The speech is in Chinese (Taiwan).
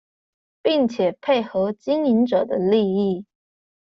並且配合經營者的利益